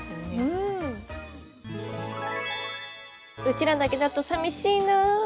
「うちらだけだとさみしいなぁ。